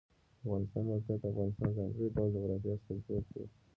د افغانستان د موقعیت د افغانستان د ځانګړي ډول جغرافیه استازیتوب کوي.